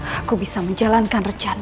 aku bisa menjalankan rencanaku